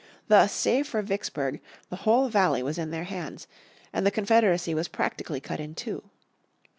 Thus save for Vicksburg the whole valley was in their hands, and the Confederacy was practically cut in two.